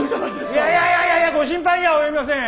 いやいやいやいやご心配には及びません。